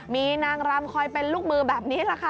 มีนางรำคอยเป็นลูกมือแบบนี้แหละค่ะ